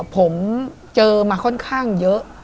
ผมเจอมาค่อนข้างเยอะ